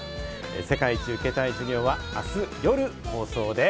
『世界一受けたい授業』は明日夜、放送です。